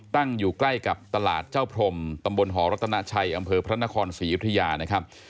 ตั้งอยู่ใกล้กับตลาดเจ้าพรมตำบลหอรัตนาชัยอำเภอพระนครศรียุธยานะครับ